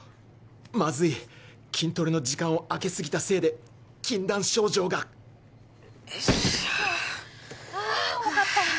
まずい筋トレの時間をあけ過ぎたせいで禁断症状があ重かった！